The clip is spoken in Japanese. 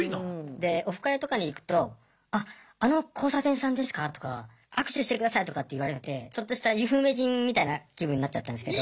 でオフ会とかに行くとあっあの交差点さんですか？とか握手してくださいとかって言われてちょっとした有名人みたいな気分になっちゃったんですけど。